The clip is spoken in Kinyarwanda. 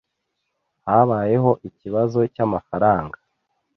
Habayeho ikibazo cyamafaranga